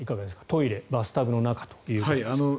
トイレ、バスタブの中ということですが。